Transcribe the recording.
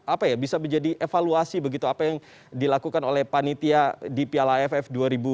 apa ya bisa menjadi evaluasi begitu apa yang dilakukan oleh panitia di piala aff dua ribu dua puluh